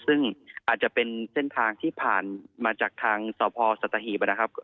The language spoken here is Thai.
ซึ่งอาจจะเป็นเส้นทางที่ผ่านมาจากทางสพสัตหีบนะครับ